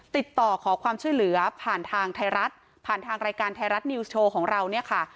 ติดต่อขอความช่วยเหลือผ่านทางไทยรัฐผ่านทางรายการไทยรัฐนิวส์โชว์ของเราเนี่ยค่ะ